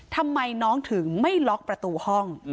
ทำไมน้องถึงไม่ล็อกประตูห้อง